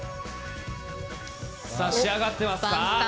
さあ、仕上がってますか？